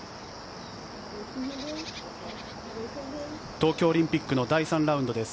東京オリンピックの第３ラウンドです。